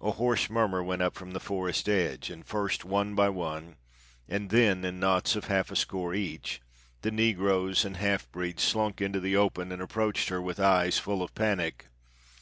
A hoarse murmur went up from the forest edge, and first one by one, then in knots of half a score each, the negroes and half breeds slunk into the open and approached her with eyes full of panic.